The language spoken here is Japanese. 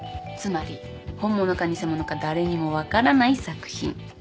つまり本物か偽物か誰にも分からない作品。